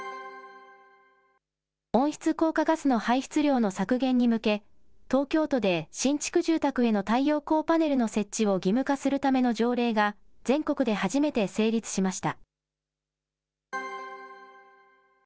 温室効果ガスの排出量の削減に向け、東京都で新築住宅への太陽光パネルの設置を義務化するための条例が、全国で初めて成立しました。